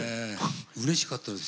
うれしかったです